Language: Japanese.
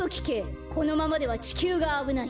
このままではちきゅうがあぶない。